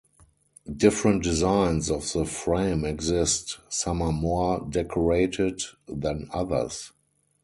Different designs of the frame exist: some are more decorated than others.